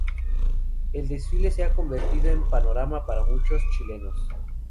El desfile se ha convertido en un panorama para muchos chilenos.